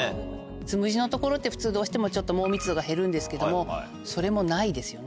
つむじのところって普通どうしてもちょっと毛密度が減るんですけどもそれもないですよね。